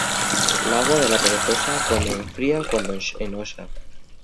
L'agua de la perezosa, cuando enfría, cuando enoxa.